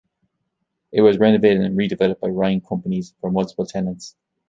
It was renovated and redeveloped by Ryan Companies for multiple tenants.